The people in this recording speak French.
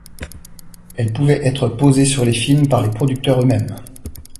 Elle pouvait être posée sur les films par les producteurs eux-mêmes.